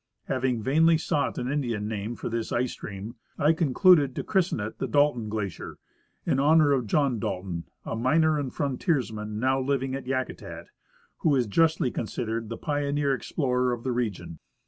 Having vainly sought an Indian name for this ice stream,' I concluded to christen it the Dalton c/lacler, in honor of John Dalton, a miner and frontiersman now living at Yakutat, who is justly considered the pioneer explorer of the region.